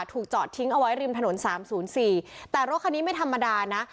ถูกจอดทิ้งเอาไว้ริมถนนสามศูนย์สี่แต่รถคันนี้ไม่ธรรมดานะ